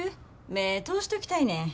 目ぇ通しときたいねん。